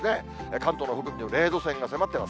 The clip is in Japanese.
関東の北部に０度線が迫っています。